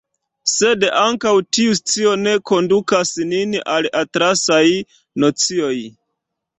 Sed ankaŭ tiu scio ne kondukas nin al atlasaj nocioj.